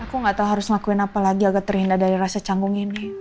aku gak tau harus lakuin apa lagi agak terhindar dari rasa canggung ini